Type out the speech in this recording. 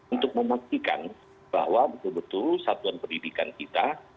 untuk memastikan bahwa betul betul satuan pendidikan kita